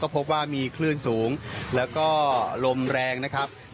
ก็พบว่ามีคลื่นสูงและก็ลมแรงทำให้มีชาวบ้าน